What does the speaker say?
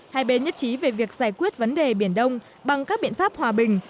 hai bên nhất trí về việc giải quyết vấn đề biển đông bằng các biện pháp hòa bình